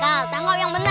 kal tanggap yang bener nih